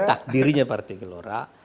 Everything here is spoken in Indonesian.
takdirnya partai gelora